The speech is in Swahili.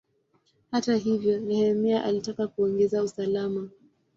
Hata hivyo, Nehemia alitaka kuongeza usalama.